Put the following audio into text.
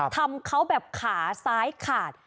ทำเขาแบบขาซ้ายขาด